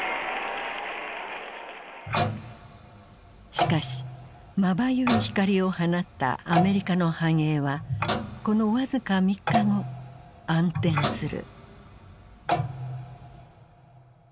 しかしまばゆい光を放ったアメリカの繁栄はこの僅か３日後暗転する。